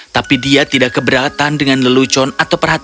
tapi dia tidak keberatan dengan lelucon atau perhatian